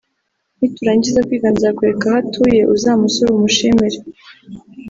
niturangiza kwiga nzakwereka aho atuye uzamusure umushimire